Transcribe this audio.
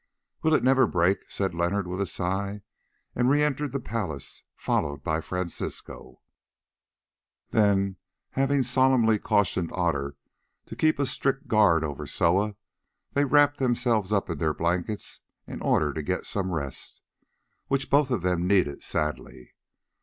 "Will it never break?" said Leonard with a sigh, and re entered the palace, followed by Francisco. Then, having solemnly cautioned Otter to keep a strict guard over Soa, they wrapped themselves up in their blankets in order to get some rest, which both of them needed sadly.